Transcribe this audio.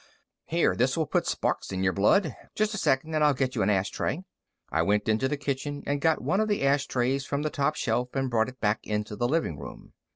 "Here, this will put sparks in your blood. Just a second, and I'll get you an ash tray." I went into the kitchen and got one of the ash trays from the top shelf and brought it back into the living room.